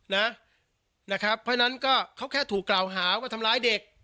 เพราะฉะนั้นก็เขาแค่ถูกกล่าวหาว่าทำร้ายเด็ก